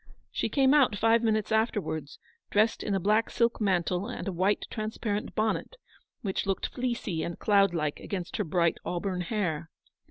She came out five minutes after wards, dressed in a black silk mantle and a white transparent bonnet, which looked fleecy and cloud like against her bright auburn hair.